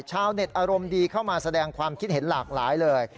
ชาวเน็ตอารมณ์ดีเข้ามาแสดงความคิดเห็นหลากหลายเลย